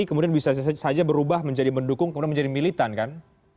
yang mereka yang bersimpati kemudian bisa saja berubah menjadi mendukung kemudian menjadi militan kan